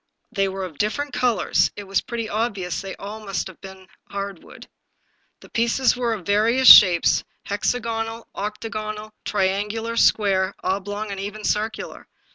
They were of different colors; it was pretty obvious that they must all of them have been hard woods. The pieces were of various shapes — hexagonal, octagonal, triangular, square, oblong, and even circular.